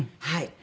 はい。